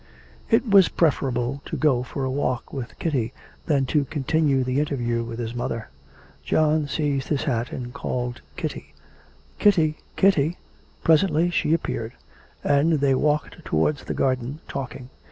It was preferable to go for a walk with Kitty than to continue the interview with his mother. John seized his hat and called Kitty, Kitty, Kitty! Presently she appeared, and they walked towards the garden, talking.